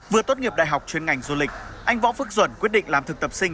vừa tốt nghiệp đại học chuyên ngành du lịch anh võ phước duẩn quyết định làm thực tập sinh